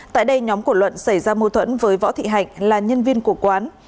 tại đây nhóm của luận xảy ra mâu thuẫn với võ thị hạnh là nhân viên của quán